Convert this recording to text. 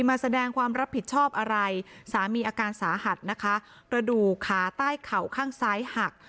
มาแสดงความรับผิดชอบอะไรสามีอาการสาหัสนะคะกระดูกขาใต้เข่าข้างซ้ายหัก